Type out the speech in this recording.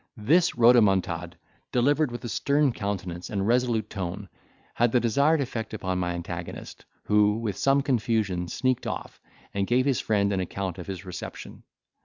This rhodomontade, delivered with a stern countenance and resolute tone, had the desired effect upon my antagonist, who, with some confusion, sneaked off, and gave his friend an account of his reception.